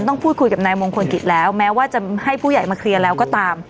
ต้องพูดคุยกับนายมงคลกิจแล้วแม้ว่าจะให้ผู้ใหญ่มาเคลียร์แล้วก็ตาม